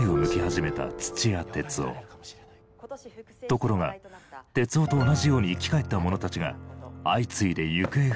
ところが徹生と同じように生き返った者たちが相次いで行方不明に。